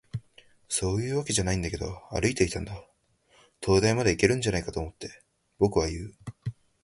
「そういうわけじゃないけど、歩いていたんだ。灯台までいけるんじゃないかって思って。」、僕は言う。